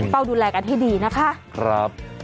เฝ้าดูแลกันให้ดีนะคะ